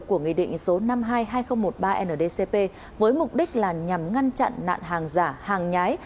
của nghị định số năm trăm hai mươi hai nghìn một mươi ba ndcp với mục đích là nhằm ngăn chặn nạn hàng giả hàng nhái